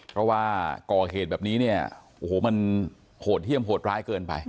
เพราะว่าก่อเหตุแบบนี้เนี่ยโอ้โหมันโหดเยี่ยมโหดร้ายเกินไป